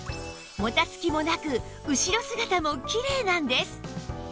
もたつきもなく後ろ姿もきれいなんです